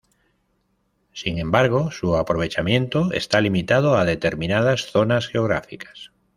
Sin embargo, su aprovechamiento está limitado a determinadas zonas geográficas.